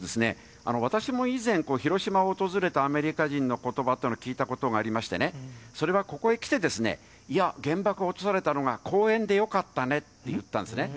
私も以前、広島を訪れたアメリカ人のことばというのを聞いたことがありましてね、それは、ここへ来て、いや、原爆落とされたのが公園でよかったねって言ったんですね。